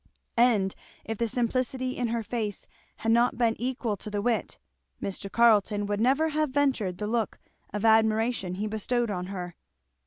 And if the simplicity in her face had not been equal to the wit, Mr. Carleton would never have ventured the look of admiration he bestowed on her.